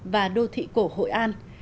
và đô thị cổ hội an